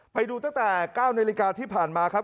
ไปดูตั้งแต่๙นาฬิกาที่ผ่านมาครับ